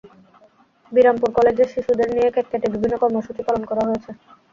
বিরামপুর কলেজে শিশুদের নিয়ে কেক কেটে বিভিন্ন কর্মসূচি পালন করা হয়েছে।